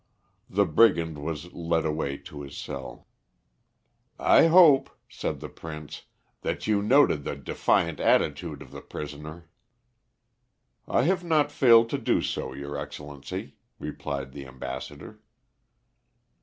The brigand was led away to his cell. "I hope," said the Prince, "that you noted the defiant attitude of the prisoner." "I have not failed to do so, your Excellency," replied the ambassador.